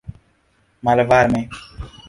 malvarme